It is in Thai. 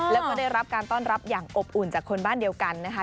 แล้วก็ได้รับการต้อนรับอย่างอบอุ่นจากคนบ้านเดียวกันนะคะ